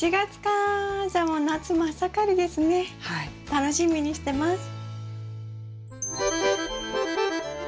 楽しみにしてます。